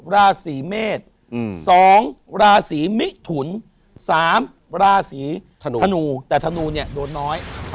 ราศีเมษ๒ราศีมิถุน๓ราศีธนูธนูแต่ธนูเนี่ยโดนน้อย